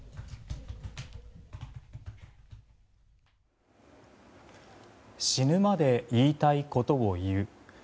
死ぬまで言いたいことを言う。